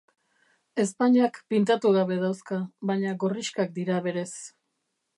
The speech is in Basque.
Ezpainak pintatu gabe dauzka, baina gorrixkak dira berez.